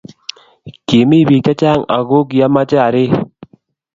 Kkimi biik chechang' aku kiameche arir